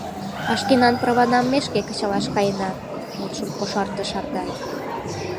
— А шкенан праванам ме шке кычалаш каена! — мутшым кошартыш Ардай.